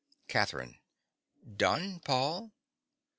CATHERINE. Done, Paul.